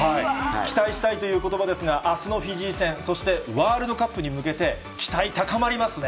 期待したいということばですが、あすのフィジー戦、そしてワールドカップに向けて、期待高まりますね。